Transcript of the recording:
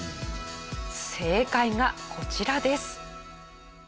正解がこちらです。